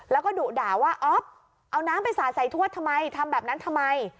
แล้วก็ดุด่าว่าอ๊อฟเอาน้ำไปสาดใส่ทวดทำไมทำแบบนั้นทำไม